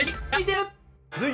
はい。